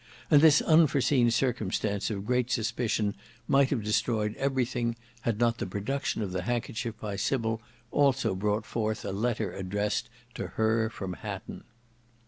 And this unforeseen circumstance of great suspicion might have destroyed everything, had not the production of the handkerchief by Sybil also brought forth a letter addressed to her from Hatton.